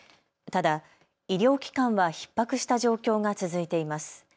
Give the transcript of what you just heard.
ただ医療機関はひっ迫した状況が続いています。